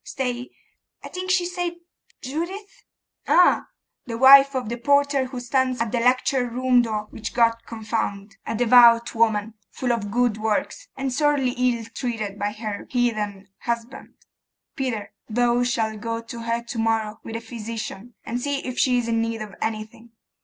Stay, I think she said Judith.' 'Ah! the wife of the porter who stands at the lecture room door, which God confound! A devout woman, full of good works, and sorely ill treated by her heathen husband. Peter, thou shalt go to her to morrow with the physician, and see if she is in need of anything.